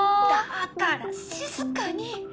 だから静かに。